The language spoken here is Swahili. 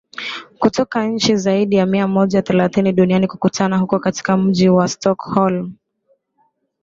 kutoka nchi zaidi ya mia moja thelathini duniani kukutana huko katika mji wa stockholm